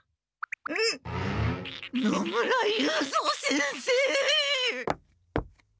え野村雄三先生！